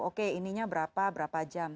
oke ininya berapa berapa jam